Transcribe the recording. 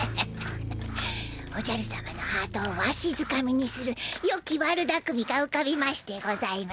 おじゃる様のハートをわしづかみにするよき悪だくみがうかびましてございます。